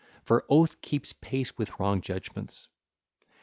For Oath keeps pace with wrong judgements.